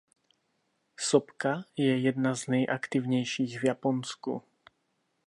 Sopka je jedna z nejaktivnějších v Japonsku.